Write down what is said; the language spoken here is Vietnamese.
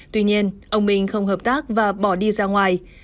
tuy nhiên ông minh không hợp tác và bỏ đi ra ngoài